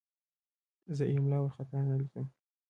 زه املا وارخطا نه لیکم.